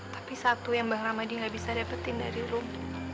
tapi satu yang bang rahmadi gak bisa dapatin dari rum